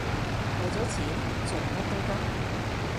為咗錢，做乜都得